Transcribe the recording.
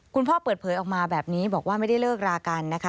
คุณพ่อเปิดเผยออกมาแบบนี้บอกว่าไม่ได้เลิกรากันนะคะ